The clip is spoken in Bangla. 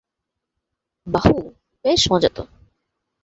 বাহু, বেশ মজা তো!